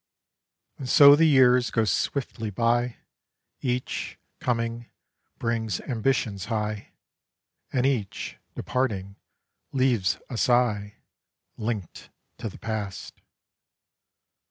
And so the years go swiftly by, Each, coming, brings ambitions high, And each, departing, leaves a sigh Linked to the past.